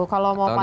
kalau mau pakai